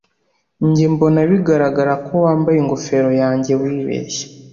Njye mbona bigaragara ko wambaye ingofero yanjye wibeshye.